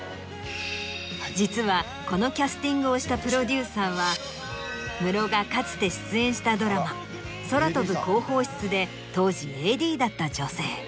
実はこのキャスティングをしたプロデューサーはムロがかつて出演したドラマ『空飛ぶ広報室』で当時ＡＤだった女性。